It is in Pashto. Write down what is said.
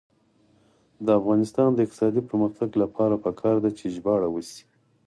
د افغانستان د اقتصادي پرمختګ لپاره پکار ده چې ژباړه وشي.